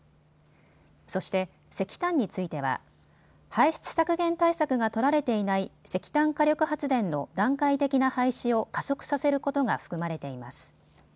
そして石炭については排出削減対策が取られていない石炭火力発電の段階的な廃止を加速させることが含まれています。